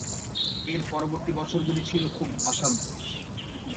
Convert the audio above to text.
এর পরবর্তী বছরগুলি ছিল খুব অশান্ত।